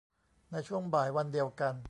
ในช่วงบ่ายวันเดียวกัน